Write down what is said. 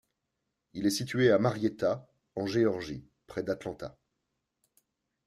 Il est situé à Marietta, en Géorgie près d'Atlanta.